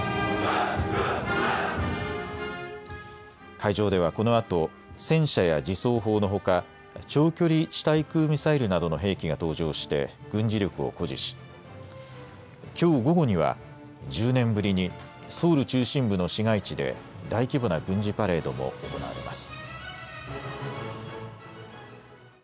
会場ではこのあと戦車や自走砲のほか長距離地対空ミサイルなどの兵器が登場して軍事力を誇示しきょう午後には１０年ぶりにソウル中心部の市街地で大規模な軍事パレードも行われます。